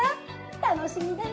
楽しみだね。